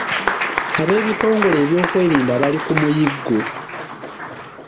Abeebitongole by’ebyokwerinda bali ku muyiggo.